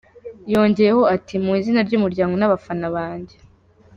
Yongeyeho ati "Mu izina ry’umuryango n’abafana banjye.